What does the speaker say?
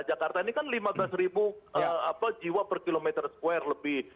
jakarta ini kan lima belas ribu jiwa per kilometer square lebih